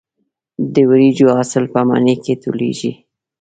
د وریجو حاصل په مني کې ټولېږي.